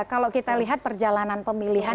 kalau kita lihat perjalanan pemilihan